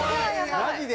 マジで？